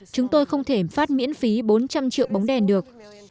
chúng tôi không thể phát miễn phí bốn trăm linh triệu bóng đèn được